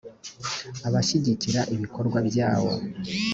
abashyigikira ibikorwa byawo